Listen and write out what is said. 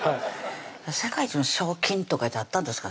世界一の賞金とかあったんですか？